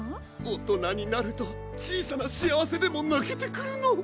大人になると小さな幸せでもなけてくるの！